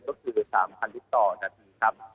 ก็คือ๓๐๐ลิตรต่อนาทีครับ